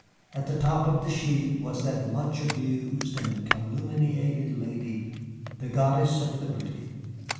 At the top of the sheet was that much abused and calumniated lady, the Goddess of Liberty.